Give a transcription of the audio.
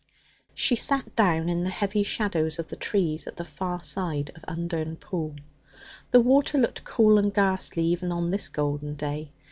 She sat down in the heavy shadows of the trees at the far side of Undern Pool. The water looked cold and ghastly even on this golden day.